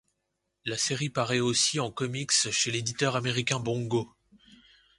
La série paraît aussi en comics chez l'éditeur américain Bongo.